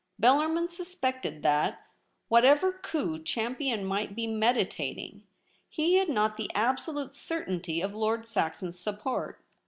Bellarmin suspected that, whatever coit^ Champion might be medi tating, he had not the absolute certainty of Lord Saxon's support.